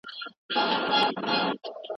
نالي دي سمه کړه.